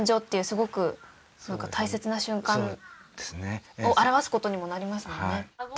すごく大切な瞬間を表すことにもなりますもんね